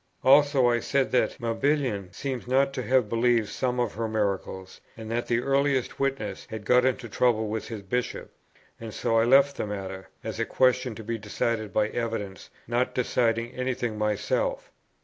Also, I said that Mabillon seems not to have believed some of her miracles; and that the earliest witness had got into trouble with his Bishop. And so I left the matter, as a question to be decided by evidence, not deciding any thing myself.